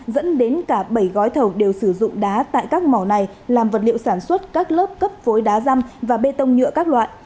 dẫn đến cả bảy gói thầu đều sử dụng đá tại các mỏ này làm vật liệu sản xuất các lớp cấp phối đá răm và bê tông nhựa các loại